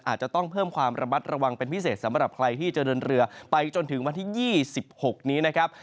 อาจจะต้องเพิ่มความระมัดระวังเป็นพิเศษสำหรับใครที่จะเดินเรือไปจนถึงวันที่๒๖นี้นะครับ